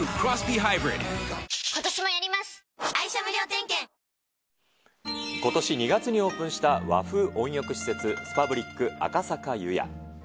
十六種類で十六茶ことし２月にオープンした和風温浴施設、スパブリック赤坂湯屋。